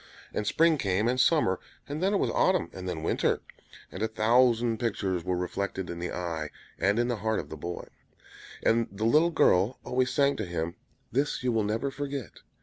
And spring came, and summer; and then it was autumn, and then winter; and a thousand pictures were reflected in the eye and in the heart of the boy; and the little girl always sang to him, "This you will never forget."